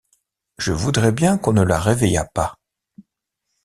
Je voudrais bien qu’on ne la réveillât pas.